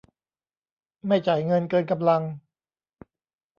ไม่จ่ายเงินเกินกำลัง